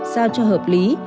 sao cho hợp lý